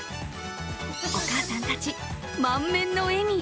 お母さんたち、満面の笑み。